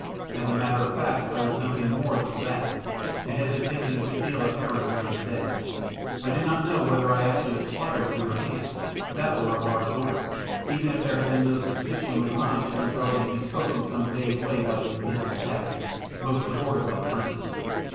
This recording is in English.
As a matter of fact I was something more than that, and had been thinking a good deal of Heru during the day. I do not know whether I actually aspired to her hand that were a large order, even if there had been no suspicion in my mind she was already bespoke in some vague way by the invisible Hath, most abortive of princes.